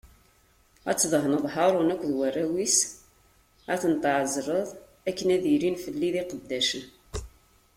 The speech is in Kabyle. Ad tdehneḍ Haṛun akked warraw-is, ad ten-tɛezleḍ akken ad ilin fell-i d iqeddacen.